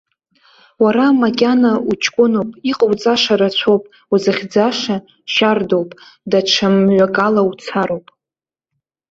Уара макьана уҷкәыноуп, иҟауҵаша рацәоуп, узыхьӡаша шьардоуп, даҽа мҩакала уцароуп.